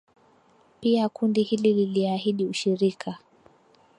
Pia kundi hili liliahidi ushirika